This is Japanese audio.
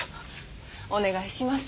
お願いします。